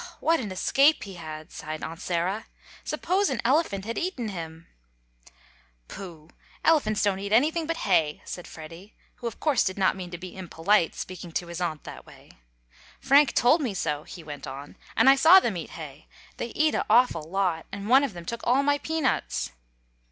"What an escape he had!" sighed Aunt Sarah. "Suppose an elephant had eaten him!" "Pooh! Elephants don't eat anything but hay," said Freddie, who, of course, did not mean to be impolite, speaking to his aunt that way. "Frank told me so," he went on, "and I saw them eat hay. They eat a awful lot, and one of them took all my peanuts."